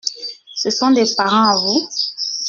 Ce sont des parents à vous ?